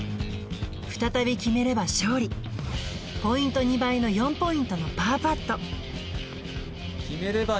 再び決めれば勝利ポイント２倍の４ポイントのパーパット決めれば２２２２！